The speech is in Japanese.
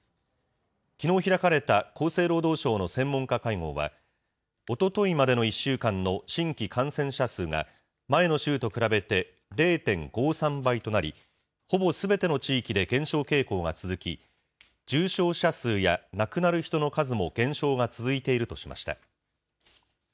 きのう開かれた厚生労働省の専門家会合は、おとといまでの１週間の新規感染者数が、前の週と比べて０．５３倍となり、ほぼすべての地域で減少傾向が続き、重症者数や亡くなる人の数も減少が続いているとしました。